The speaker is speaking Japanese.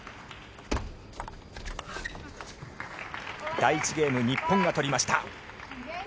第１ゲーム日本が取りました。